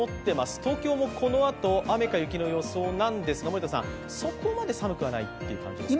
東京もこのあと雨か雪の予想なんですがそこまで寒くはないという感じですかね。